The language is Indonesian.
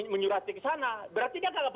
menyuruh hati ke sana berarti dia kalau